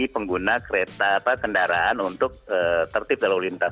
menggunakan kereta atau kendaraan untuk tertib jauh lintas